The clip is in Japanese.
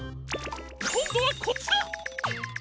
こんどはこっちだ！